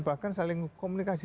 bahkan saling komunikasi